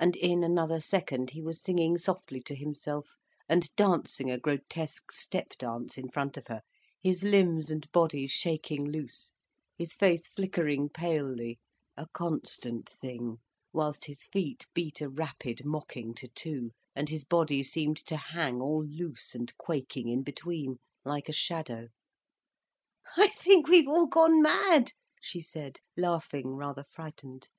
And in another second, he was singing softly to himself, and dancing a grotesque step dance in front of her, his limbs and body shaking loose, his face flickering palely, a constant thing, whilst his feet beat a rapid mocking tattoo, and his body seemed to hang all loose and quaking in between, like a shadow. "I think we've all gone mad," she said, laughing rather frightened.